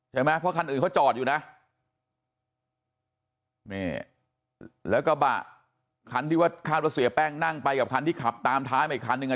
ใช่ไหมเพราะคันอื่นเขาจอดอยู่นะนี่แล้วกระบะคันที่ว่าคาดว่าเสียแป้งนั่งไปกับคันที่ขับตามท้ายมาอีกคันนึงอ่ะ